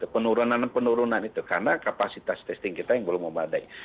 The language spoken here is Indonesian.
penurunan dan penurunan karena kapasitas testing kita yang belum memadai